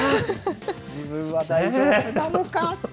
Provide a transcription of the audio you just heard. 自分は大丈夫なのかと。